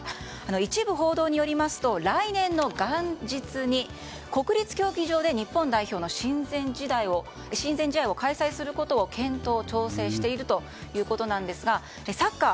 一部報道によりますと来年の元日に国立競技場で日本代表の親善試合を開催することを検討・調整しているということですがサッカー、